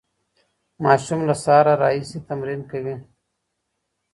ماشوم له سهاره راهیسې تمرین کوي.